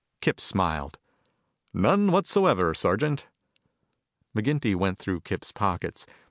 Kip smiled. "None whatever, Sergeant." McGinty went through Kip's pockets.